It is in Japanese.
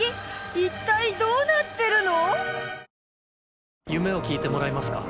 一体どうなってるの！？